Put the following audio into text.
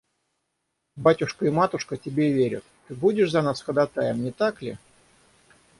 Батюшка и матушка тебе верят: ты будешь за нас ходатаем, не так ли?